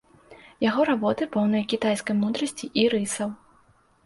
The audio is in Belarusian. Яго работы поўныя кітайскай мудрасці і рысаў.